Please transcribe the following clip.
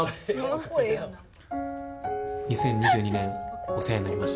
２０２２年お世話になりました。